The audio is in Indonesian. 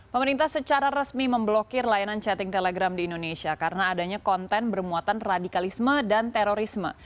pemerintah secara resmi memblokir layanan chatting telegram di indonesia karena adanya konten bermuatan radikalisme dan terorisme